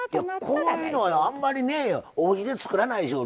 こういうのはあんまりねおうちで作らないでしょ。